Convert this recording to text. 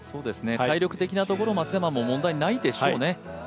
体力的なところ松山も問題ないでしょうね。